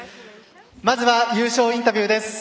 まずは、優勝インタビューです。